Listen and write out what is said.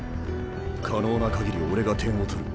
可能な限り俺が点を取る。